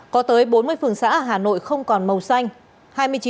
có tới bốn mươi phường xã ở hà nội không còn màu xanh